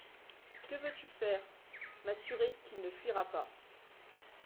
Que veux-tu faire ? M'assurer qu'il ne fuira pas.